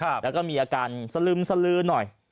แล้วก็มีอาการสลึมสลือหน่อย